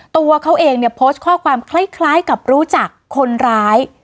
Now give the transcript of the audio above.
ตัวเขาเองเนี่ยโพสต์ข้อความคล้ายกับรู้จักคนร้าย